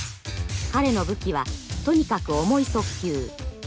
彼の武器はとにかく重い速球。